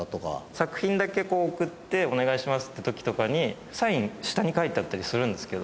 作品だけ送って「お願いします」って時とかにサイン下に書いてあったりするんですけど。